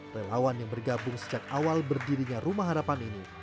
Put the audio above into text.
relawan yang bergabung sejak awal berdirinya rumah harapan ini